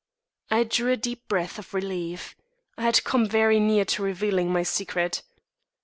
I drew a deep breath of relief. I had come very near to revealing my secret.